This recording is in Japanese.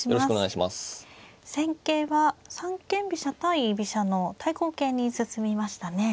戦型は三間飛車対居飛車の対抗型に進みましたね。